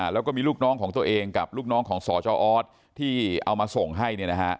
แล้วก็มีลูกน้องของตัวเองกับลูกน้องของสจออสที่เอามาส่งให้